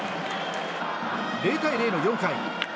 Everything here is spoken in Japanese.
０対０の４回。